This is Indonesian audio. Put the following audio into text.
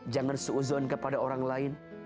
jangan seuzon kepada orang lain